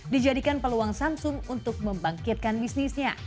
dijadikan peluang samsung untuk membangkitkan bisnisnya